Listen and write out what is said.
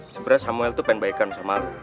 sebenernya samuel tuh pengen baikan sama lo